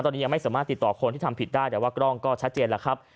ตอนนี้ยังไม่สามารถติดต่อคนที่ทำผิดได้แต่ว่ากล้องก็ชัดเจนแล้วครับ